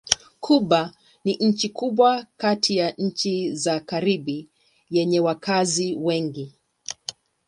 Kuba ni nchi kubwa kati ya nchi za Karibi yenye wakazi wengi.